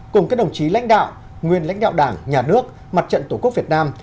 cùng các đồng chí lãnh đạo nguyên lãnh đạo đảng nhà nước mặt trận tổ quốc việt nam